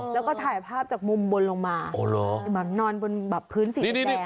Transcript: แล้วก็ถ่ายภาพจากมุมบนลงมานอนบนแบบพื้นสีแดง